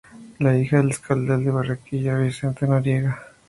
Es hija del exalcalde de Barranquilla Vicente Noguera.